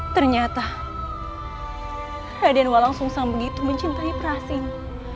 ternyata raden walang sumsam begitu mencintai perasinya